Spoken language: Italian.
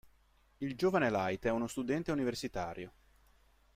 Il giovane Light è uno studente universitario.